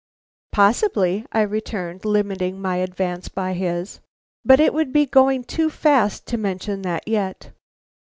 "Possibly," I returned, limiting my advance by his. "But it would be going too fast to mention that yet.